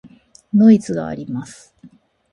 ノイズがあります。